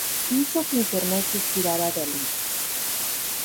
hizo que Internet suspirara de alivio